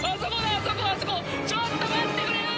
ちょっと待ってくれよ！